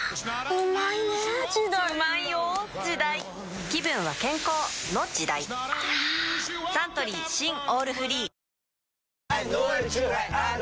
ぷはぁサントリー新「オールフリー」あぃ！